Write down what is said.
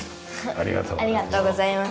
ありがとうございます。